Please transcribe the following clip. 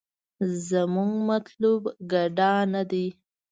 زمونګه مطلوب ګډا نه دې.